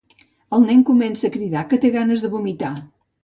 El nen comença a cridar que té ganes de vomitar.